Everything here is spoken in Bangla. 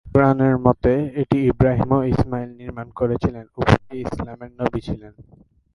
কুরআনের মতে এটি ইব্রাহিম ও ইসমাইল নির্মাণ করেছিলেন, উভয়ই ইসলামের নবী ছিলেন।